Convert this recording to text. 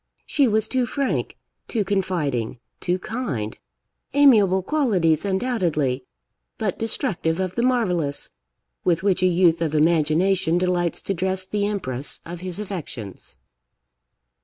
She was too frank, too confiding, too kind; amiable qualities, undoubtedly, but destructive of the marvellous, with which a youth of imagination delights to dress the empress of his affections.